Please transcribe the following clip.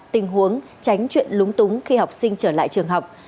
tình huống tránh chuyện lúng túng khi học sinh trở lại trường học